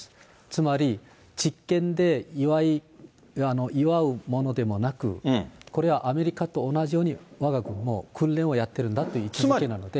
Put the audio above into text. つまり、実験で祝うものでもなく、これはアメリカと同じように、わが国も訓練をやってるんだという位置づけなんで。